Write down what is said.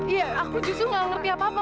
iya aku justru gak ngerti apa apa